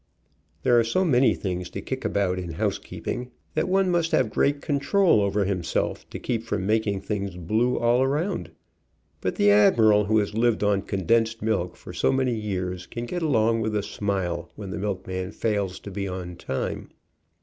There are so many things to kick about in housekeeping, that one must have great control over himself to keep from making things blue all around, but the admiral who has lived on condensed milk for so "Who was that woman you bowed to on the street?' many years can get along with a smile when the milk man fails to be on time.